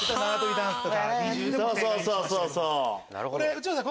内村さん